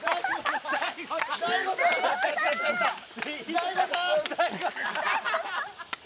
大悟さん！